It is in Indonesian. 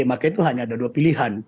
maka itu hanya ada dua pilihan